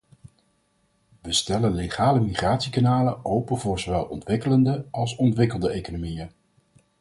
We stellen legale migratiekanalen open voor zowel ontwikkelende als ontwikkelde economieën.